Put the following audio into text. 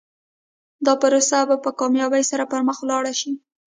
دا پروسه به په کامیابۍ سره پر مخ لاړه شي.